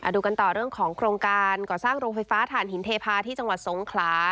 ดูกันต่อเรื่องของโครงการก่อสร้างโรงไฟฟ้าฐานหินเทพาะที่จังหวัดสงขลา